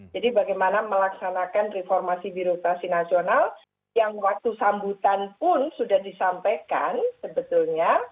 jadi bagaimana melaksanakan reformasi birokrasi nasional yang waktu sambutan pun sudah disampaikan sebetulnya